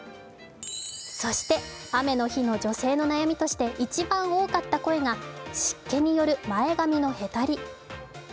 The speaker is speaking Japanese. そして雨の日の女性の悩みとして一番多かった声が湿気による前髪のへたり。